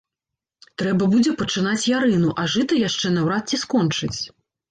Трэба будзе пачынаць ярыну, а жыта яшчэ наўрад ці скончаць.